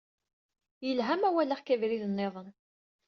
Yelha ma walaɣ-k abrid-nniḍen.